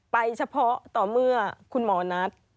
เฉพาะต่อเมื่อคุณหมอนัท